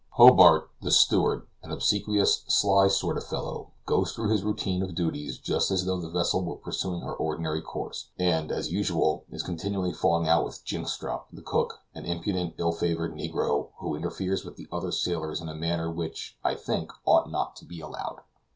Hobart, the steward, an obsequious, sly sort of fellow, goes through his routine of duties just as though the vessel were pursuing her ordinary course; and, as usual, is continually falling out with Jynxstrop, the cook, an impudent, ill favored negro, who interferes with the other sailors in a manner which, I think, ought not to be allowed.